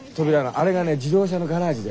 あれがね自動車のガレージで。